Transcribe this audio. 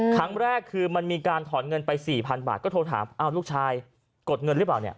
ครั้งแรกคือมันมีการถอนเงินไป๔๐๐๐บาทก็โทรถามอ้าวลูกชายกดเงินหรือเปล่าเนี่ย